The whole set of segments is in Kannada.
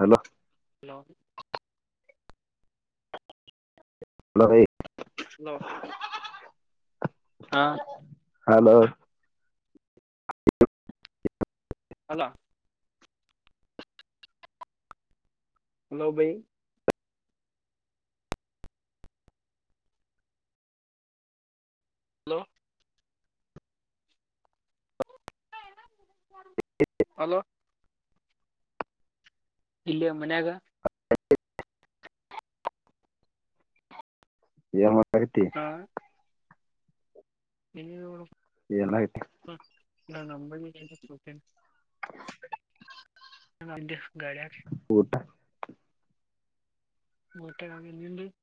ಹಲೋ, ಹಲೋ, ಹಲೇ [unintelligible] ನ [unintelligible] ಹಲೋ,, ಅಲ್ಲ [unintelligible] ಹಲೋ, ಭೈ- ಹಲೋ,, ಹಲೋ, - ಇಲ್ಲೆಯ ಮನ್ಯಾಗ. ಹ [inaudible] ನ್ತಿ [unintelligible] ಇ ನ [unintelligible] ಏನ್ಯ್ತು [inaudible] ನ ನಂಬ ಸತೆ [unintelligible] [inaudible] ಅಂದು ಗಡ [unintelligible] ಊಟ ಮುಊಟೆಡಾಗ ಎಂದು [unintelligible]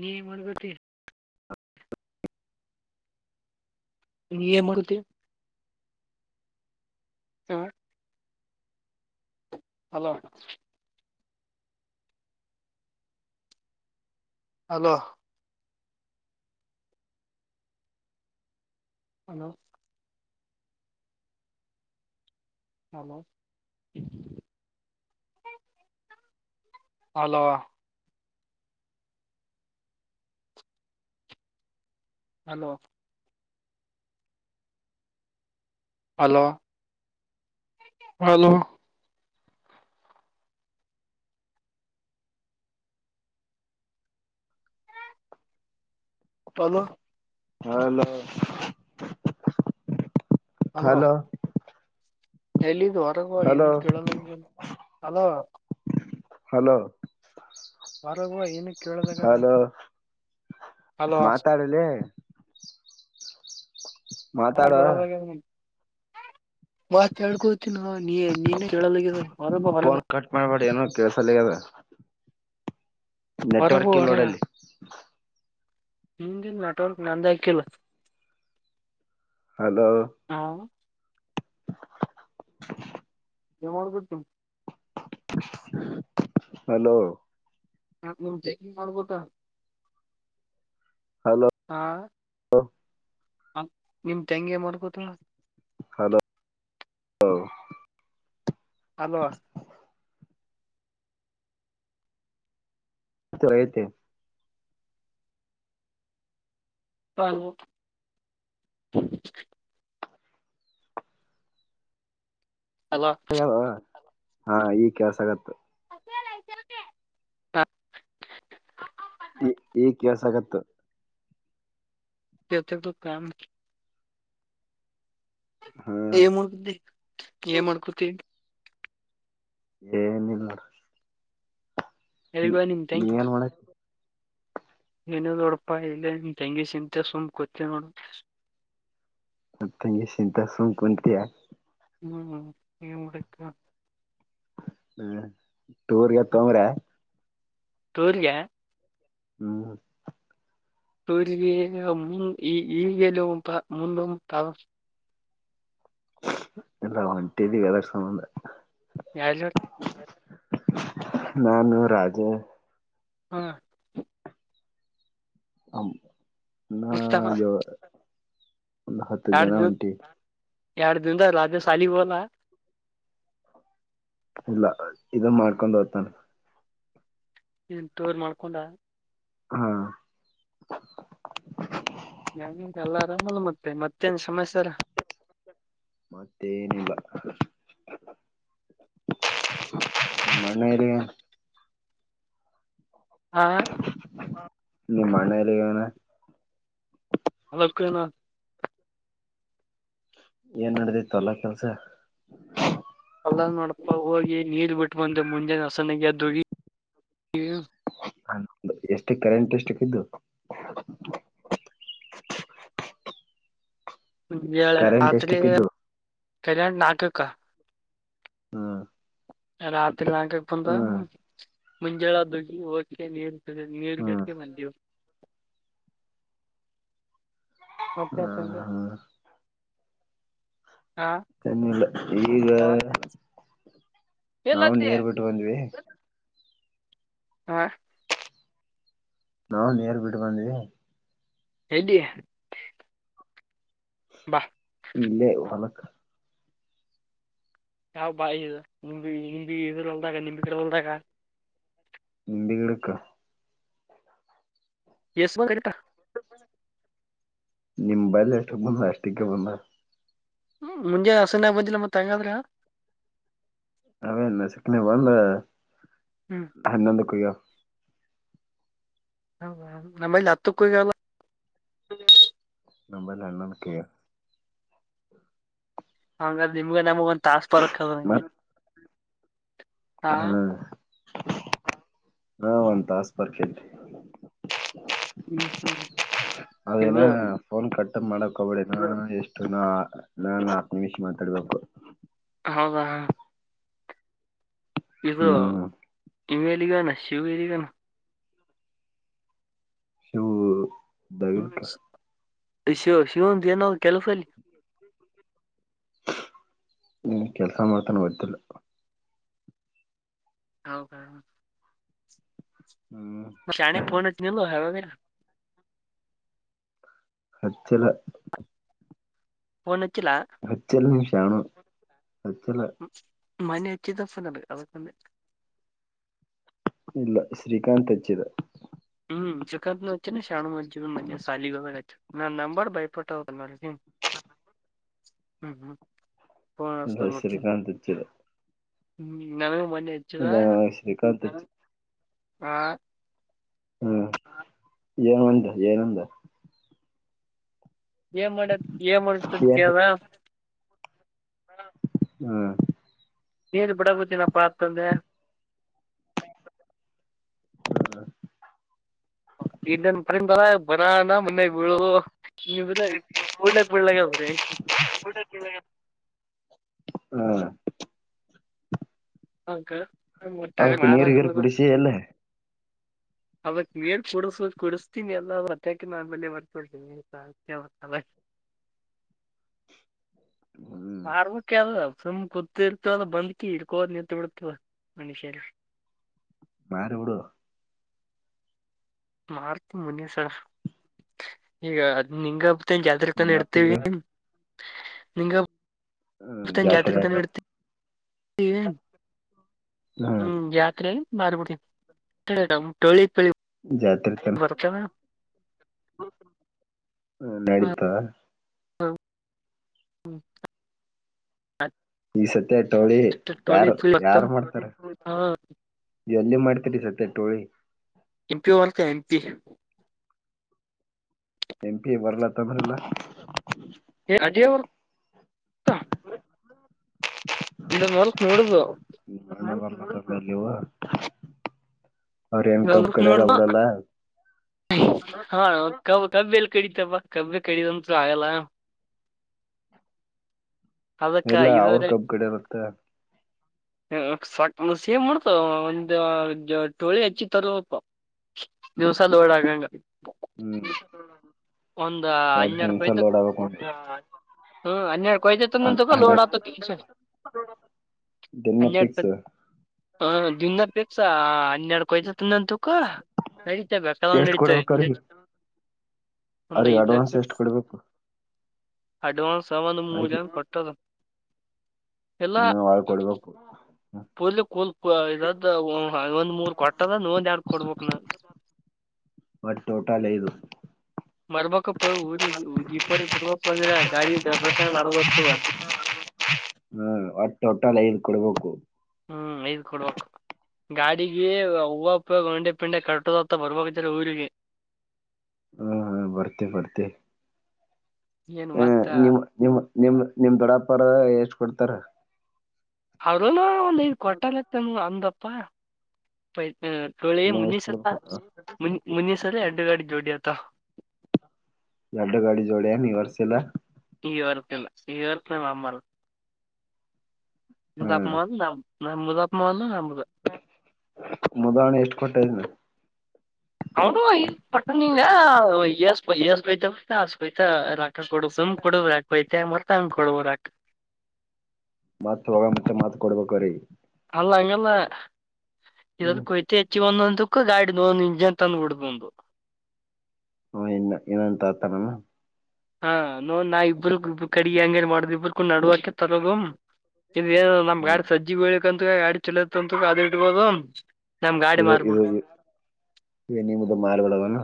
ನೀ ಮಾಡರ್ಗತಿ [unintelligible] ಮಾಡತಿ [unintelligible] ಸ [inaudible] hello, hello,, hello, hello [unintelligible] hello,, hello, - hello,, hello,, hello, hello [unintelligible] hello ಎಲ್ಲಿದ ಹೊರಗ ಹೋಗು ಹಲೋ ಏನ ಕೇಳಲ ಆಗದ. ಹಲೋ,, ಒರಗ ಬಾ ಏನ ಕೇಳಲಾಗದಲ್ಲ. ಮಾತಾಡಲೇ ಮಾತು ಕೇಳಲಾಗಿದ ನಿಂದು. ಮಾತ್ ಹೇಳ್ಕೊತ ನೋ, ನೀನೇ ಕೇಳಲಾಗದ ಬಾ ಹೊರಗ. ಕೇಳ್ಸಲ್ಲಾಗದ. ನೆಟ್ವರ್ಕ್ ಇಲ್ಲೋಡಲ್ಲಿ. ನಿಂದಿಲ್ಲನೆಟ್ವವರ್ಕ ನಂದ್ಯಾ ಕಿಲ್, ಹಲೋ, [inaudible] ನಿ ಮಾಡ ಬಿತ [unintelligible] ಹಲೋ, ಹ ಮು ಚೆ ಮಾಡ್ಬಟಾ [unintelligible] ಹಲೋ, [unintelligible] ಹ ನಿಮ್ ತಂಗಿ ಎನ್ಮಾಡ್ಕೋತಲ ಹಲೋ ಹ [unintelligible] ಅಲೋ, ಹತ ಐತೆ ಹ ಹಲೋ ಹಾ ಈ ಕೇಳ್ಸ್ತಾ ಇದೆ [inaudible] ಈಗ್ ಕೇಳ್ಸ್ತಾಗತ್ತು. [unintelligible] ಹಾ [unintelligible] ಏನ್ ಮಾಡ್ಕೋತಿ ಏನಿಲ್ಲ ಎಲ್ಲಿಗೋದ್ಲು ನಿನ್ ನೀ ತಂಗಿ? ಏನ್ ಮಾಡಕ್ ಏನೊ ನೋಡಪ ಇಲ್ಲಿ ನಿನ್ ತೆಂಗಿ ಸಿಂತೆಲ್ ಸುಮ್ ಕೂತ್ತ್ಯಾಳ್ ನೋಡು. ನನ್ ತಂಗಿ ಸಿಂತೆಲ್ ಸುಮ್ ಕುಂತ್ಯಾ ಹ್ಮ್ ಏನ್ ಮಾಡಕ್ಕ ಹ್ಮ ಟೂರ್ಗೆತ್ತೂಂದ್ರ ಟೂರ್ಗೆ? ಹ್ಮ್ ಸೂರರಿಗೆ ಮು ಈ ಈಗೆಲುವ ಮುಂದ ತ. ಎಲ್ಲ ಹೊಂಟೀದೀವ್ [unintelligible] [unintelligible] ನಾನು ರಾಜೆ ಹಾ ಹ ನಾ ಮುತಾವ ಜ ಒಂದು ಹತ್ತು ಜನ ಹೊಂಟೀವಿ. ಎರಡು ದಿನದಲ್ಲಿ ರಾಜೆ ಸಾಲಿಗ್ ಹೋದ್ನ? ಇಲ್ಲ ಇದು ಮಾಡ್ಕೊಂಡ್ ಹೋಗ್ತಾನ. ಏನ್ ಟೂರ್ ಮಾಡ್ಕೊಂಡ? ಹಾ [unintelligible] ಎಲ್ಲ ಆರಾಮಲ್ಲ ಮತ್ತೆ ಮತ್ತೇನ್ ಸಮಸ್ಯಾರ? ಮತ್ತೇನಿಲ್ಲ. [unintelligible] ಹಾ ನಿಮ್ಮಣ್ಣ ಎಲ್ಲೀಗೋನ? [unintelligible] ಏನ್ ನಡದಿತ್ತಲ ಕೆಲ್ಸ? ಅಲ್ಲೇನ್ ನೋಡಪ ಹೋಗಿ ನೀರ್ ಬಿಟ್ಟು ಬಂದೆ ಮುಂಜಾನಿ ಹಸನಿಗೆತ್ತೋಗೀ. ಎಷ್ಟು ಕರೆಂಟ್ ಎಷ್ಟಕ್ಕಿದ್ದು. [inaudible] [unintelligible] ಕರೆಂಟ್ ರಾತ್ರಿ ಎಷ್ಟಕ್ಕಿದ್ದು ಕಲ್ಯಾಣ ನಟುಕ. ಹ್ಮ್ ರಾತ್ರಿ ನಾಕಪ್ಪಂದ ಹ್ಮ್ ಹುಂ. ಮುಂಜಳೆದ್ದು ಹೋಗಿ ಹೋಗಕೆ ನೀರ್ ನೀರು ಹ್ಮ್ ಬಿಡ್ಕ ಬಂದೀವು. [inaudible] ಹ್ಮ್ [unintelligible] ಹಾ ಚನ್ನಿಲ್ಲ ಈಗ. ನಾವು ಎಲ್ಲತ್ತಿ ನೀರ್ ಬಿಟ್ಟು ಬಂದ್ವಿ. ಹಾ ನಾವು ನೀರ್ ಬಿಟ್ಟ್ ಬಂದ್ವಿ. [unintelligible] ಬಾ ಇಲ್ಲೇ ಹೊಲಕ. ಯಾವ್ ಬಾಯಿ ಇದು ನಿಂಬಿ ನಿಂಬಿ ಇದ್ರು ಹೊಲ್ದಾಗ ನಂಬಿ ಗಿಡ್ದು ಹೊಲ್ದಾಗ. ನಂಬಿ ಗಿಡಕ್ಕ. ಎಸ್ಮ ಗಂಟಾ ನಿಮ ಬಲೆ ಎಷ್ಟಕ್ ಬಂದ ಅಷ್ಟಕ್ಕೆ ಬಂದ ಮುಂಜೆ ಹಸನ್ಯಾಗ ಬಂದಿಲ್ಲ ಮತ್ತೆ ತಂಗಾದ್ರ ಅವೇನ್ನ ಸಿಕ್ಕನ ಬಂದ ಹ್ಮ್ ಎನ್ನಂದು ಕೊಯ್ಯೋ ಹ ನಮ್ಮಲ್ಲಿ ಹತ್ತುಕ್ಕಗಲ್ಲ ನಮ್ಮಲ್ಲ ಹನ್ನೊಂದು ನ ಕ ಹಂಗ ನಿಮ್ಗೆ ನಮಗ ಒಂದ ತಾಸ್ ಪರಕ್ ಆಯ್ತು ಹಾ ಹ್ಮ ಹಾ ಒಂತಾಸ್ ಬರ್ಕಲ್ ಹ್ಮ್ ಹ್ಮ್ ಅದನ ಇದು ಫೋನ್ ಕಟ್ ಮಾಡಕ್ ಹಬೇಡ ನಾನು ಎಷ್ಟು ನಾನು ನಾಕು ನಿಮಷ ಮಾತಾಡ್ಬೇಕು ಹೌದಾ ಹ್ಮ್ ಇವ ಎಲ್ಲೋಗೆ ನ ಶಿವು ಎಲ್ಲೋ ಗ್ಯಾನ ಶಿವು ದಗುದುಕ ಶಿವು ಶಿವನ ದೇನ ಕೆಲಸ ನೀನ್ ಕೆಲ್ಸ ಮಾಡ್ತಾನ ಗೊತ್ತಿಲ್ಲ ಹೌದಾ ಹ್ಮ್ ಶಾಣೆ ಪೋನ್ ನಿಲ್ ಹಚಿಲ್ ಫೋನ್ ಹಚ್ಚು ಅಚ್ಚಲ ನಿಮಿಷಾನ ಅಚ್ಚಲ ಮನೀ ಅಟ್ಟಿದಪ್ಪನಡು ಅದಕ್ಕ ಇಲ್ಲ ಶ್ರೀಕಾಂತ್ ಹೆಚ್ಚಿದ ಹ್ಮ್ ಶ್ರೀಕಾಂತ ಅಚನ ಶಾಣನ ಹಜ್ಜನ ಮನು ಶಾಲೆ ಗ ನಾ ನಂಬರ್ ಭಯಪಟ್ಟದ ನ ಹ್ಮ್ ಹ್ಮ್ ಇಲ್ಲ ಹಸ್ಪ ಹ್ಮ ಶ್ರೀಕಾಂತ್ ಹಚ್ಚಿದ ನ ಮ ಅದಾ ಶ್ರೀಕಾಂತ ಆ ಹ್ಮ ಜಯನಂದ ಜಯನಂದ ಏನ್ ಮಾಡ ಏನ್ ಮಾಡತದ ಕ ಹಾ ನೀರ್ ಬುಡಕತ್ತಿನಪ್ಪ ಅಂತ ಅಂದೆ ಹ್ಮ ಇನ್ ಪಂದರ ಬರಾನ ಮೊನ್ಯಾಗ ಬೀಳಡ್ಲಕ್ ಬಡ್ಲಕ್ಕ್ರೀ ಹಾ ಹೌಕ ಅವಕ್ಕೆ ನೀರುಗೇರು ಕುಡಸೇ ಅಲ್ಲ ಅವಕ್ ನೀರ್ ಕುಡಿಸ ಕುಡಿಸತೀ ಎಲ್ಲ ಮತ್ತಾಕ ನನ್ ಬೇ ಬರ್ತೊಡ್ರಿ ನೀ ಹ್ಮ್ ಆರ್ಮಕ್ಕೆ ಅಲ್ ಸುಮ್ ಗೊತ್ತ ಇರ್ತವಲ್ಲ ಬಂದ್ಕಿ ಇಡ್ಕೋದ್ ನಿಂತ ಬಿಡ್ತವ ಮನುಷ್ಯರ ಬಾರ ಎಡ ಮಾರ್ತಿ ಮುನಿಯಸ ಈಗ ಅದ್ ನಿಂಗ ಜಾತ್ರೆ ನಿಮ್ಮ ತನ ಇಡ್ತೀವಿ ಮಕ್ಳಿಗೆ ನಿಂಗ ಇ ತನ್ನ ಜಾತ್ರೆ ಇಡ್ತೀವಿ ಹ್ಮ್ ಯಾತ್ರೆ ಮಾರ ಳಿ ತಳಿ ಜಾತ್ರೆ ಕಲ್ಲ ಹ ನಡತಾವ ಹಾ ಹ್ಮ್ ಹ ತೋಳಿ ಯಾರು ಪಳಿ ಬರ್ತಾವ ಯಾರು ಮಾಡ್ತಾರೆ ಹಾ ನೀ ಎಲ್ಲಿ ಮಾಡ್ತೀರಿ ಸತ್ಯ ಟೋಳಿ ಎಂಪಿಒ ಒನ್ಕ ಎಂಪಿ ಎಂಪಿ ಬರ್ಲ ತಂದರಲಿಲ್ಲ ಅ ದೇವರ ಇದನ್ ಹೊಲಕ್ ನೋಡುದು [inaudible] ಕಬ್ ಕಡಿಯಲ್ಲ ನೋಡ್ದ ಬಿಡಲ್ಲ ಹಾ ಕ ಕಬ [inaudible] ಕಡಿತೇವ ಬಾ ಕಬ್ಬ ಕಡಿದಂತೂ ಆಗಲ್ಲ ಅದಕ್ಕಾ ಇಲ್ಲ ಅವ್ರ ಇವರೆ ಕಬ್ ಕಡಿಯಲತ್ತ ಕ ಸೇಮ್ ಮಾಡ್ತವ ಒಂದು ಟೋಳಿ ಹಚ್ಚಿ ತರೋದ ಪ್ಪ ದಿವಾಸಲ್ ಓಡಗಂಗ ಹನ್ನೆರಡು ಕೊಯ್ದ [inaudible] ಹ್ಮ್ ಹನ್ನೆರಡು ಕೊಯತತಂದ ತುಪ ಲೋಡ್ ಅಗತೈತಿ ಮಶೀನ್ ದಿನ ಹನ್ನೆರಡು ಫಿಕ್ಸ್ ಹ ದಿನಾಪೇಕ್ಸಾ ಹನ್ನೆರಡು ಕೊಯ್ತತಂದಂತು ಕ ನಡಿತ ಬೇಕದಂಗ ನಡೆಯುತ್ತ ಅವರೀಗ ಅಡ್ವಾನ್ಸ್ ಎಷ್ಟ ಕೊಡ್ಬೇಕು ಅಡ್ವಾನ್ಸ್ ಆ ಒಂದು ಮೂಲ್ಯದ ಕೊಟ್ಟದ ಎಲ್ಲಾ ನಾವ ಆಳ್ ಕೊಡ್ಬೇಕ ಪೂರ್ಲಿ ಕೂಲ್ ಇದ್ದ ಒಂದ್ ಮೂರ್ ಕೊಟ್ಟದ ನೀವ್ ಒಂದೆರಡ ಕೊಡ್ಬೇಕಲಾ ಬಟ್ ಟೋಟಲ್ ಲೇದೂ ಮಾಡ್ಬೇಕಪ್ಪ ಊ ದೀಪಾವಳಿ ಬರ್ಬ ಅಂದ್ರ ಗಾಡಿ ದಬಸದಾಗ ನಡೆದ ಹೋಗತದ ಹ್ಮ ಒಟ್ಟು ಟೋಟಲ್ ಐದು ಕೊಡ್ಬೇಕು ಹ್ಮ್ ಐದ್ ಕೊಡ್ಬೇಕು ಗಾಡಿಗೆ ಹೂವುಪ್ಪ ಗಂಡೆ ಪಿಂಡೆ ಕಟುದತ್ತ ಬರ್ಬಾ ಕತ್ತಿಲ್ಲಾ ಊರಿಗೆ ಹ್ಮ ಹಾ ಬರ್ತೀನಿ ಬರ್ತೀನಿ ಏನ್ ಹ ಮತ್ತ ನಿಮ್ಮ ನಿಮ್ಮ ನಿಮ ನಿಮ್ ದೊಡ್ಡಪ್ಪರ ಎಷ್ಟ ಕೊಡ್ತಾರ ಅವ್ರನು ಒಂದ್ ಐದ್ ಕೊಟ್ಟಲತನು ಅಂದಪ್ಪ ಪೈ ಹ ತೋಳಿ ಇನ್ನ ಮುಂದಿನ ಎಷ್ಟ್ ಸಲಾ ಕೊಡ್ಬೇಕತ್ತ ಮು ಮುಂದಿನ ಸರಿ ಎಡ್ಡು ಗಾಡಿ ಜೋಡಿತ ಮತ್ತ ಯಾಡು ಗಾಡಿ ಜೋಡ ಏನ ಇ ವರ್ಷೆಲ್ಲ ಈ ವರ್ಷಿಲ್ಲ ಈ ವರ್ಷ ನಮ್ಮ ಅಮ್ಮೀಲ್ಲ ಮುದಪ್ ಮಾವಾದೂ ನಮ್ಮದ ಮುದಪ್ ಮಾವಾದೂ ನಮ್ಮದು ಮುದಾಹರಣೆ ಎಷ್ಟು ಕೊಟ್ಟಿದ್ದ ಅವನು ಇಷ್ಟ ಕೊಟ್ಟ ಬಂದಿನ ಪಟ್ಟಸ್ಸ್ ಎಷ್ಟ ಬೈತತಾ ಅಷ್ಟ ಬೈತತಾ ಕೊಡು ಸುಮ್ಮ ಕೊಡು ಯಾಕ್ ಬೈತಿಯ ಮತ್ತ ಅವಗ ಕೊಡೋದ ಯಾಕ್ ಮತ್ತ ಹೊಗಾತಲೇ ಮತ್ತ ಕೊಡಬೇಕ ಅವರಿಗೆ ಅಲ್ಲ ಅಂಗಲ್ಲ ಇದು ಹ್ಮ್ ಕೊಯತ ಅಚ್ಚಿ ಒಂದ ತುಕ್ಕ ಗಾಡಿದ ನ ಒಂದ ಇಂಜಿನ್ ತಂದ ಬಿಡತನಿ ಹ ಇನ್ನ ಏನ ಅಂತ ಆತನಮ್ಮ ಹಾ ನೋಡ ನಾ ಇಬ್ರ ಇಬ್ ಕಡಿ ಹೆಂಗರಾ ಮಾಡುತಿದ್ದು ಇಬ್ರ ಕೂಡ ನಡವ ಅಕಿತಲ್ಲ ಅದು ಇ ಏನು ನಮ್ ಹ್ಮ್ ಗಾಡಿ ಸಜ್ಜ ಬೀಳಕ್ ಅಂತ ಗಾಡಿ ಚುಲೋ ಇಂತ ಅಂತ ಅದ್ ಇಡ್ಬೋದು ನಮ್ಮ ಗಾಡಿ ಇದು ಮಾರಿಬಿಡ ಇದು ಇ ನಿಮ್ದ ಮಾರಿಬಿಡೋಣ ಏನ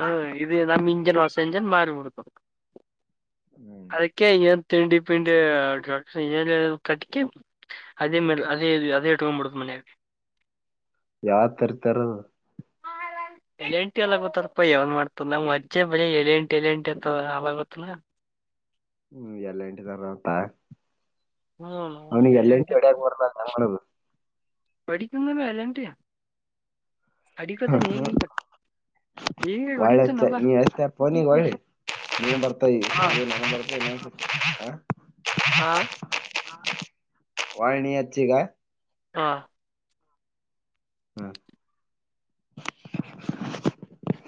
ಹಾ ಇದು ನಮ್ಮ ಇಂಜನ್ ಹೊಸ ಇಂಜನ್ ಮಾರಿ ಬಿಡೋದ ಹ್ಮ್ ಅದಕ್ಕೆ ಏ... ತಿಂಡಿ ಪಿಂಡಿ ಏನ ಹೇಳಿರು... ಕಟ್ಟಿಕೊ ಅದೇ ಮೇಲೆ ಅದೇ ಅದೇ ಇಟಕೊಂಡ್ಬಿಡೋದ ಮ... [inaudible] ಯಾರ್ ತರ್ತಾರೋ ಎಲೆ ಎಂಟ ಎ ಗೊತ್ತಾರಪ್ಪಾ ಯಾವನ ಮಾಡ್ತನ ನಮ್ ಅಜ್ಜಿ ಬಳಿ ಎಳ ಎಂಟಿ ಎಲೆ ಎಂಟಿ ಅಂತಳ್ಳ ಆಮೇಲೆ ಗೊತ್ತನ [inaudible] ಅವ್ನಿಗೆ ಎಲ್ಲಟ [unintelligible] ಹ್ಮ್ ಹೊಡಿಯಾಕ್ ಬರೋಲ್ಲ ಅಂತ ಏನ್ ಮಾಡೋದ ಹೊಡೀತಾನ ಲಾ [unintelligible] ಎಲ್ಲಂಟಿ ಅಡಿಕೊಳತಾನ ಈಗ ಈಗ ವಳ್ಳ ಹೊಡಿತಾನಲ್ಲ ನೀ ಅತ ಪನ ಒಳ್ಳ [unintelligible] ನೀನ್ ಬರ್ತ ನೀ ಹಾ ಬರ್ [unintelligible] ಹಾ ವಾಯ [unintelligible] ನೀ ಯಚಿಗಾಯ ಹಾ ಹಾ [inaudible]